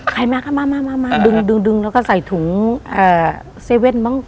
ใครมาก็มาดึงแล้วก็ใส่ถุง๗๑๑มั้ง